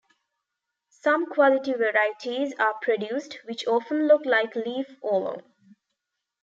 Some quality varieties are produced, which often look like leaf Oolong.